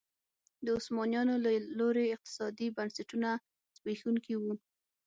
د عثمانیانو له لوري اقتصادي بنسټونه زبېښونکي وو.